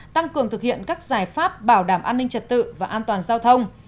tăng cường thực hiện các giải pháp bảo đảm an ninh trật tự và an toàn giao thông